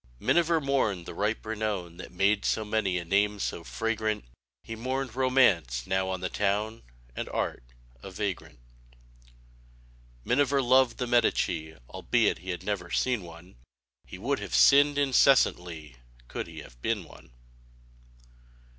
Miniver mourned the ripe renown That made so many a name so fragrant; He mourned Romance, now on the town, And Art, a vagrant. Miniver loved the Medici, Albeit he had never seen one; He would have sinned incessantly Could he have been one.